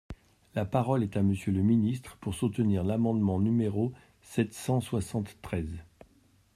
La parole est à Monsieur le ministre, pour soutenir l’amendement numéro sept cent soixante-treize.